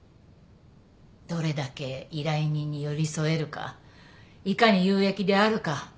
どれだけ依頼人に寄り添えるかいかに有益であるか。